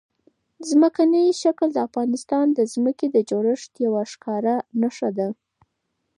ځمکنی شکل د افغانستان د ځمکې د جوړښت یوه ښکاره نښه ده.